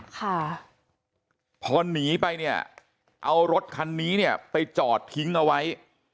ค่ะพอหนีไปเนี่ยเอารถคันนี้เนี่ยไปจอดทิ้งเอาไว้